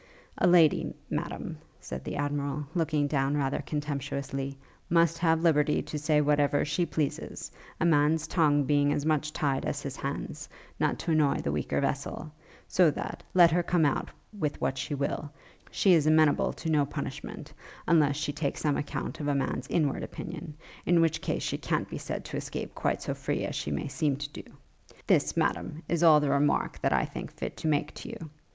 'A lady, Madam,' said the Admiral, looking down rather contemptuously, 'must have liberty to say whatever she pleases, a man's tongue being as much tied as his hands, not to annoy the weaker vessel; so that, let her come out with what she will, she is amenable to no punishment; unless she take some account of a man's inward opinion; in which case she can't be said to escape quite so free as she may seem to do. This, Madam, is all the remark that I think fit to make to you.